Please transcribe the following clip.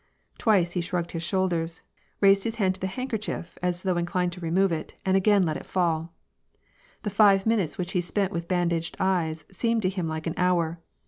Twice he shrugged his shoulders, raised his hand to the handkerchief, as though inclined to remove it, and again let it fall. The five minutes which he spent with bandaged eyes, seemed to him like an hour.